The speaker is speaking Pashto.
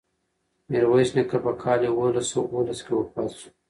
میرویس نیکه په کال یوولس سوه اوولس کې وفات شو.